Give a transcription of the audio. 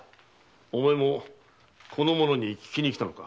お前もこの者に訊きに来たのか。